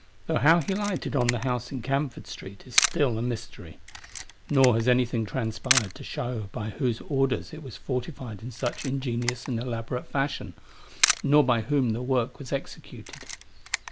Though how he lighted on the house in Camford Street is still a mystery. Nor has anything transpired to show by whose orders it was fortified in such ingenious and elaborate fashion ; nor by whom the work was executed.